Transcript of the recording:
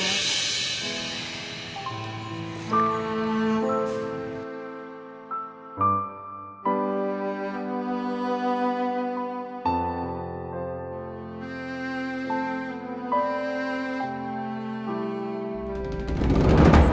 tidur di sini wednesday